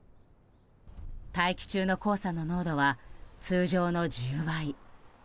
大気中の黄砂の濃度は通常の１０倍。